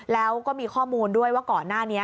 แล้วก็มีข้อมูลด้วยว่าก่อนหน้านี้